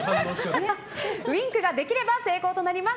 ウィンクができれば成功となります。